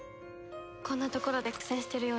こんなところで苦戦してるようじゃ。